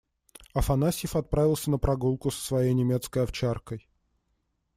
Афанасьев отправился на прогулку со своей немецкой овчаркой.